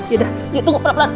aduh yaudah tunggu pelan pelan